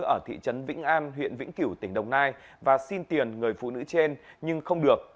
ở thị trấn vĩnh an huyện vĩnh kiểu tỉnh đồng nai và xin tiền người phụ nữ trên nhưng không được